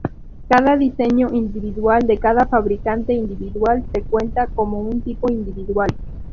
Cada diseño individual de cada fabricante individual se cuenta como un tipo individual.